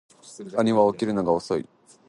兄は起きるのが遅い